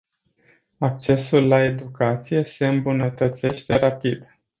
Accesul la educație se îmbunătățește rapid.